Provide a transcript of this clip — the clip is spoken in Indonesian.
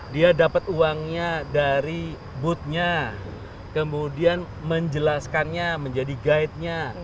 dia dapat uangnya dari boothnya kemudian menjelaskannya menjadi guide nya